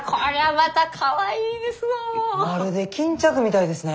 まるで巾着みたいですね！